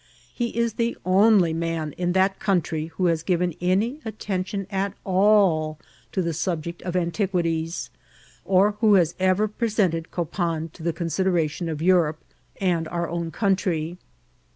He is the only man in that country who has given any attention ai all to the subject of antiqui ties, or who has ever pres^ited Copan to the consider ation of Europe and our own country.